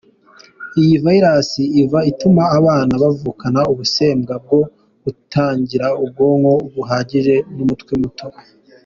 Iyi virus iva ituma abana bavukana ubusembwa bwo kutagira ubwonko buhagije n’umutwe muto.